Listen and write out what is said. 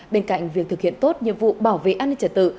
bên cạnh việc thực hiện tốt nhiệm vụ bảo vệ an ninh trật tự